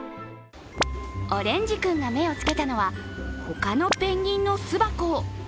オレンジ君が目をつけたのはほかのペンギンの巣箱。